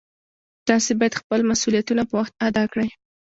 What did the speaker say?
تاسې باید خپل مسؤلیتونه په وخت ادا کړئ